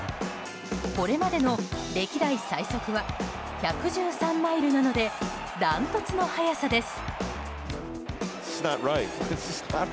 これまでの歴代最速は１１３マイルなのでダントツの速さです。